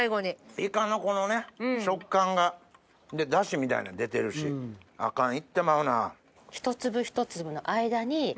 イカのこの食感が。で出汁みたいなの出てるしアカンいってまうな。